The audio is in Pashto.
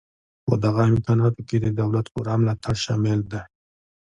په دغه امکاناتو کې د دولت پوره ملاتړ شامل دی